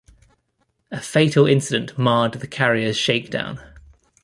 A fatal incident marred the carrier's shakedown.